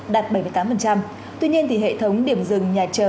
đạt bảy mươi tám tuy nhiên thì hệ thống điểm dừng nhà chở